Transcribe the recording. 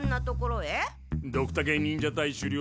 ドクタケ忍者隊首領